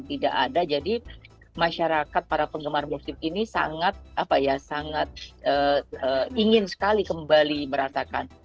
tidak ada jadi masyarakat para penggemar musik ini sangat apa ya sangat ingin sekali kembali meratakan